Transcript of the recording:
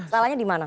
salahnya di mana